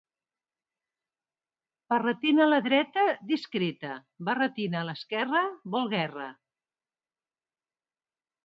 Barretina a la dreta, discreta; barretina a l'esquerra vol guerra.